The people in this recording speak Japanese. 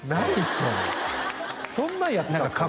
それそんなんやってたんですか？